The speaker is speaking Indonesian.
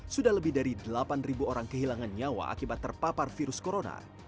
sudah lebih dari delapan orang kehilangan nyawa akibat terpapar virus corona